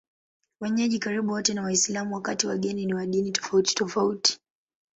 Wenyeji karibu wote ni Waislamu, wakati wageni ni wa dini tofautitofauti.